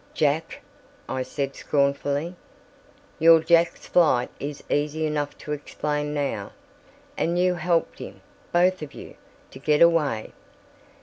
"Jack!" I said scornfully. "Your Jack's flight is easy enough to explain now. And you helped him, both of you, to get away!